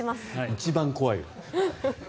一番怖いわ。